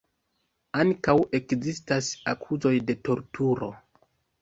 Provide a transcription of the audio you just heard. Ankaŭ ekzistas akuzoj de torturo.